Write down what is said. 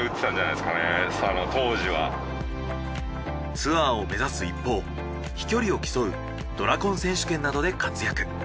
ツアーを目指す一方飛距離を競うドラコン選手権などで活躍。